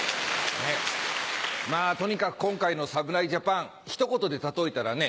まぁとにかく今回の侍ジャパン一言で例えたらね